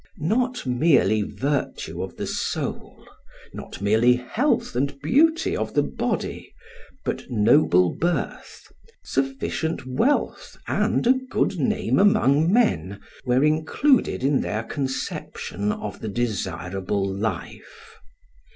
Not merely virtue of the soul, not merely health and beauty of the body, but noble birth, sufficient wealth and a good name among men, were included in their conception of the desirable life.